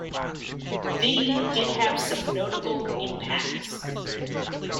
V did have some notable impacts.